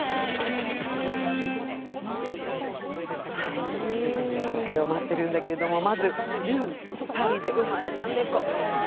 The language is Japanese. いろんな作品が公開を待ってるんだけどまず、「ルー、パリで生まれた猫」。